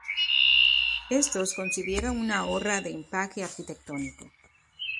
Estos concibieron una obra de empaque arquitectónico.